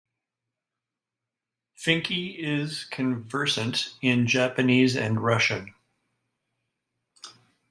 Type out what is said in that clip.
Fincke is conversant in Japanese and Russian.